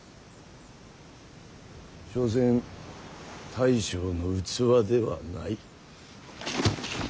所詮大将の器ではない。